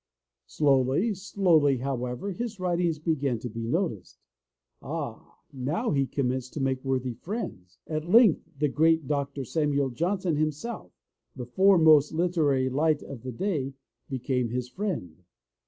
Slowly, slowly, however, his writings began to be noticed. Ah! Now he commenced to make worthy friends. At length the great Dr. Samuel Johnson himself, the most famous literary light of the day, became his friend.